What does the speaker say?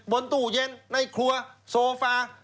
บนตู้เย็นในครัวโซฟา